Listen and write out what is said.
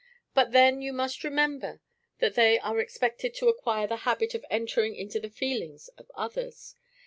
"But then you must remember that they are expected to acquire the habit of entering into the feelings of others.